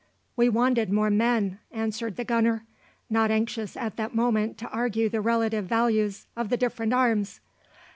"We wanted more men," answered the Gunner, not anxious at that moment to argue the relative values of the different arms.